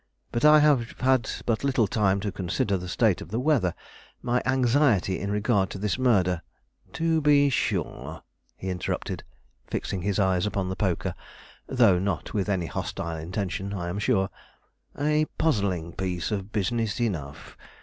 "But I have had but little time to consider the state of the weather. My anxiety in regard to this murder " "To be sure," he interrupted, fixing his eyes upon the poker, though not with any hostile intention, I am sure. "A puzzling piece of business enough.